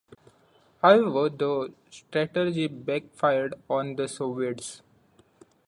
However, the strategy back-fired on the Soviets.